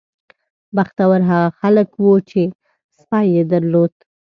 بختور هغه خلک وو چې سپی یې درلود.